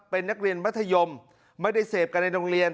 เป็นนักเรียนมัธยมไม่ได้เสพกันในโรงเรียน